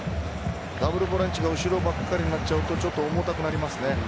ダブルボランチの後ろばかりになるとちょっと重たくなりますね。